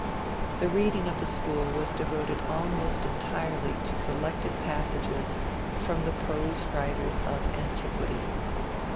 The reading of the school was devoted almost entirely to selected passages from the prose writers of antiquity.